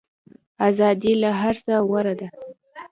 ازادي له هر څه غوره ده.